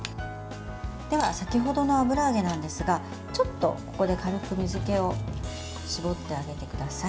では、先ほどの油揚げなんですがちょっとここで軽く水けを絞ってあげてください。